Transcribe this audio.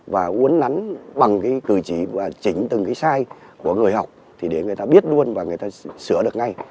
và uốn nắn bằng cử chỉ và chỉnh từng sai của người học để người ta biết luôn và người ta sửa được ngay